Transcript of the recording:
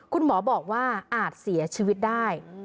คุณหมอบอกว่าอาจเสียชีวิตได้